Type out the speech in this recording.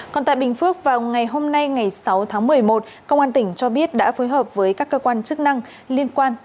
còn tại bình phước vào ngày hôm nay ngày sáu tháng một mươi một công an tỉnh cho biết đã phối hợp với các cơ quan chức năng liên quan